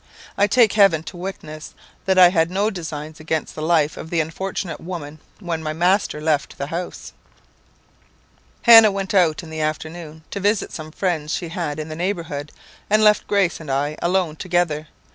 I take heaven to witness, that I had no designs against the life of the unfortunate woman when my master left the house. "Hannah went out in the afternoon, to visit some friends she had in the neighbourhood, and left Grace and I alone together.